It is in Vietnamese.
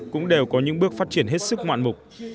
cũng đều có những bước phát triển hết sức ngoạn mục